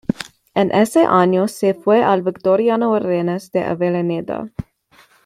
En ese año se fue al Victoriano Arenas de Avellaneda.